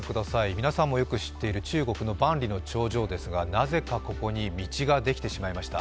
皆さんもよく知っている中国の万里の長城ですがなぜかここに道ができてしまいました。